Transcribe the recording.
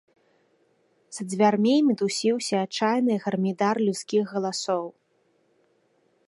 За дзвярмі мітусіўся адчайны гармідар людскіх галасоў.